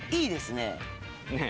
ねえ。